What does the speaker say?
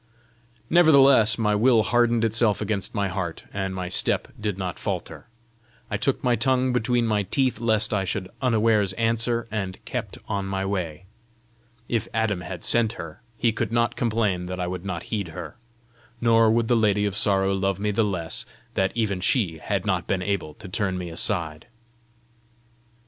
Nevertheless my will hardened itself against my heart, and my step did not falter. I took my tongue between my teeth lest I should unawares answer, and kept on my way. If Adam had sent her, he could not complain that I would not heed her! Nor would the Lady of Sorrow love me the less that even she had not been able to turn me aside!